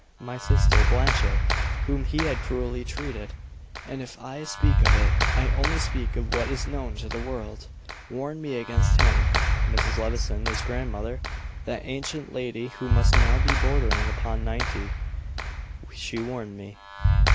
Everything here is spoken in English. My sister, Blanche, whom he had cruelly treated and if I speak of it, I only speak of what is known to the world warned me against him. Mrs. Levison, his grandmother, that ancient lady who must now be bordering upon ninety, she warned me.